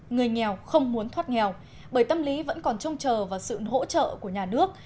người nghèo không muốn thoát nghèo bởi tâm lý vẫn còn trông chờ vào sự hỗ trợ của nhà nước